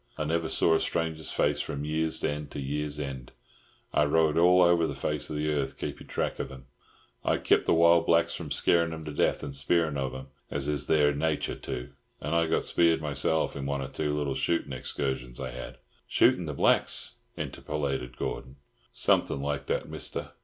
I never saw a stranger's face from year's end to year's end. I rode all over the face of the earth, keepin' track of 'em. I kep' the wild blacks from scarin' 'em to death, and spearin' of 'em, as is their nature to, and I got speared myself in one or two little shootin' excursions I had." "Shooting the blacks?" interpolated Gordon. "Somethin' like that, Mister.